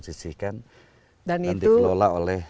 sisihkan dan dikelola oleh